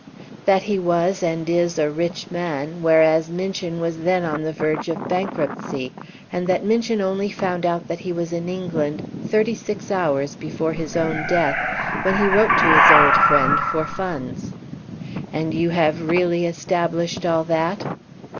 "That he was and is a rich man, whereas Minchin was then on the verge of bankruptcy, and that Minchin only found out that he was in England thirty six hours before his own death, when he wrote to his old friend for funds." "And you have really established all that!"